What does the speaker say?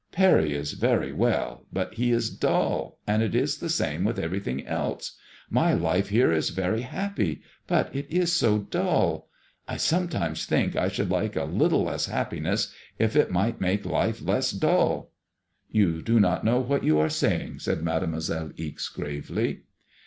" Parry is very well, but he is dull, and it is the same with eveiything else. My life here is very happy, but it is so dull. I sometimes think I should like a MADEMOISXLLB tXM, little less happiness if it might make life less dull. " You do not know what you are saying/' said Mademoiselle Ixe, gravely.